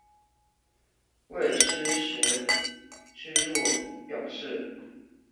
未施实住居表示。